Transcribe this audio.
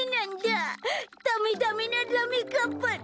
ダメダメなダメカッパだ。